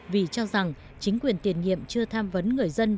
vì cho rằng chính quyền tiền nhiệm chưa tham vấn người dân